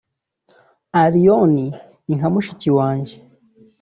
Allioni ni nka mushiki wanjye